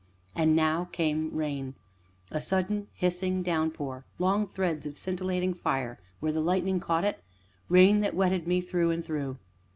And now came rain a sudden, hissing downpour, long threads of scintillating fire where the lightning caught it rain that wetted me through and through.